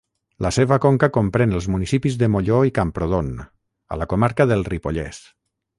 La seva conca comprèn els municipis de Molló i Camprodon, a la comarca del Ripollès.